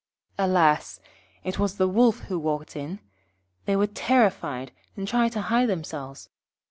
Alas! It was the Wolf who walked in. They were terrified, and tried to hide themselves.